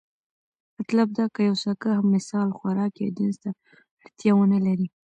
مطلب دا که يو ساکښ مثلا خوراک يا جنس ته اړتيا ونه لري،